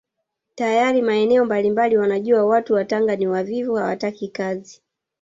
Tayari maeneo mbalimbali wanajua watu wa Tanga ni wavivu hawataki kazi